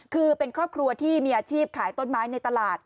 คือเป็นครอบครัวที่มีอาชีพขายต้นไม้ในตลาด